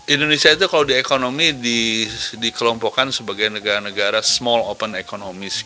indonesia itu kalau di ekonomi dikelompokkan sebagai negara negara small open economy